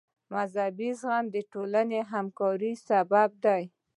مذهبي زغم د ټولنې همکارۍ سبب دی.